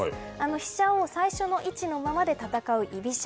飛車を最初の位置のままで戦う居飛車。